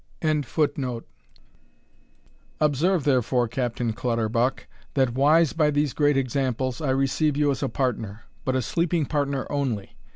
] Observe, therefore, Captain Clutterbuck, that, wise by these great examples, I receive you as a partner, but a sleeping partner only.